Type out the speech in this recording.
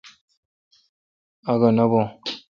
اگھہ نہ بھوں۔